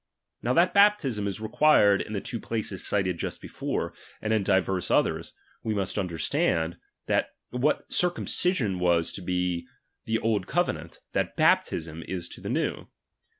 Now that baptism is required in the two places cited just before, and in divers others, we must understand, that what circum cision was to the old covenant, that baptism is to the Jiew.